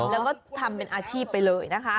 แล้วก็ทำเป็นอาชีพไปเลยนะคะ